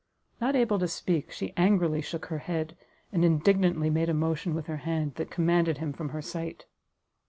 Not able to speak, she angrily shook her head, and indignantly made a motion with her hand, that commanded him from her sight.